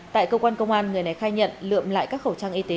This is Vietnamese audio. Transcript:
tại cơ quan công an người này khai nhận lượm lại các khẩu trang y tế